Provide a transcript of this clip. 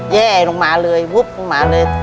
แย่ลงมาเลยวุบลงมาเลย